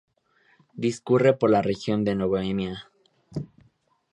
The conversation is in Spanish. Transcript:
Discurre por la región de Bohemia.